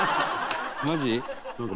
マジ？